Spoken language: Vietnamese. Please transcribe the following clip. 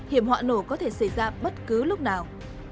hiểm họa nổ có thể xảy ra bất cứ lúc nào